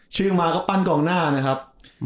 ชื่อมาก็ปั้นกองหน้านะครับ